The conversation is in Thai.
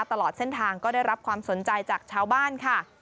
ตลอดเส้นทางก็ได้รับความสนใจจากชาวบ้านค่ะ